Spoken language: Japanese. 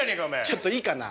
ちょっといいかな？